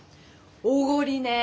おごりね。